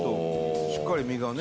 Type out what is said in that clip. しっかり身がね